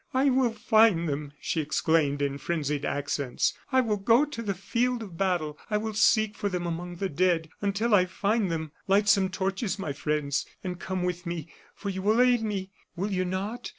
"I will find them!" she exclaimed, in frenzied accents. "I will go to the field of battle, I will seek for them among the dead, until I find them. Light some torches, my friends, and come with me, for you will aid me, will you not?